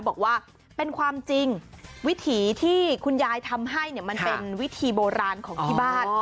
บอกว่าเป็นความจริงวิถีที่คุณยายทำให้เนี่ยมันเป็นวิธีโบราณของที่บ้าน